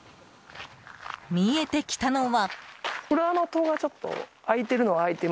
見えてきたのは。